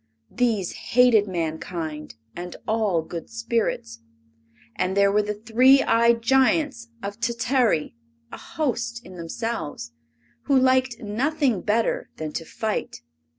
These hated mankind and all good spirits. And there were the three eyed Giants of Tatary, a host in themselves, who liked nothing better than to fight.